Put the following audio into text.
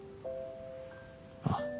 ああ。